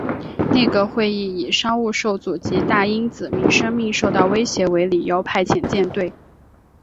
内阁会议以商务受阻及大英子民生命受到威胁为理由派遣舰队。